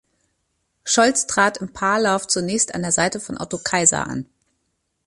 Scholz trat im Paarlauf zunächst an der Seite von Otto Kaiser an.